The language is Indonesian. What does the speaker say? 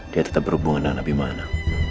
dia tetap berhubungan dengan nabi mana